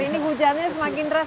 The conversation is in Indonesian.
ini hujannya semakin keras